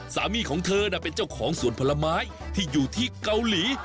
สามีของเธอน่ะเป็นเจ้าของสวนผลไม้ที่อยู่ที่เกาหลี